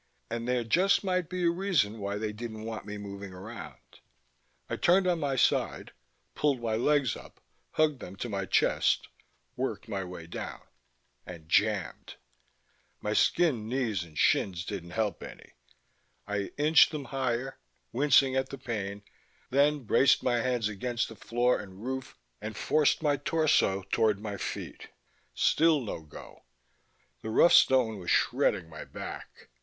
And there just might be a reason why they didn't want me moving around. I turned on my side, pulled my legs up, hugged them to my chest, worked my way down ... and jammed. My skinned knees and shins didn't help any. I inched them higher, wincing at the pain, then braced my hands against the floor and roof and forced my torso toward my feet.... Still no go. The rough stone was shredding my back.